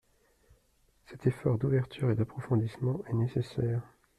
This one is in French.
Cet effort d’ouverture et d’approfondissement est nécessaire.